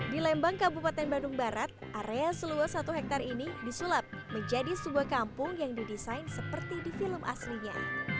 di lembang kabupaten bandung barat area seluas satu hektare ini disulap menjadi sebuah kampung yang didesain seperti di film aslinya